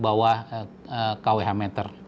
bawah kwh meter